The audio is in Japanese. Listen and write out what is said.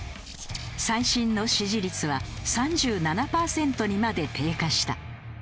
最新の支持率は３７パーセントにまで低下した。